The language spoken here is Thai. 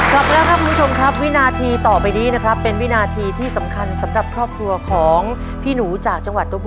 กลับมาแล้วครับคุณผู้ชมครับวินาทีต่อไปนี้นะครับเป็นวินาทีที่สำคัญสำหรับครอบครัวของพี่หนูจากจังหวัด